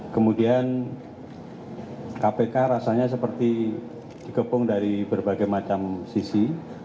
kemudian kpk rasanya seperti dikepung dari berbagai macam sisi